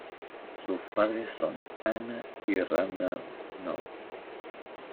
Sus padres son Anna y Randall North.